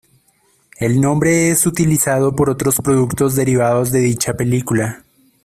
El nombre es utilizado por otros productos derivados de dicha película.